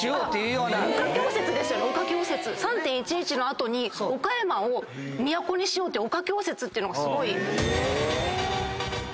３．１１の後に岡山を都にしようっていう岡京説っていうのが。